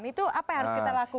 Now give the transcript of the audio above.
itu apa yang harus kita lakukan